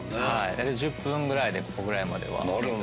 だいたい１０分ぐらいでここぐらいまでは。